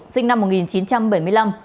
sinh năm một nghìn chín trăm bảy mươi năm